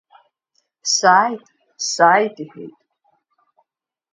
Сааит, сааит, — иҳәеит.